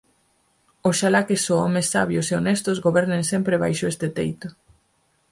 Oxalá que só homes sabios e honestos gobernen sempre baixo este teito".